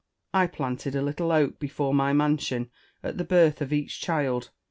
I planted a little oak before my mansion at the birth of each child.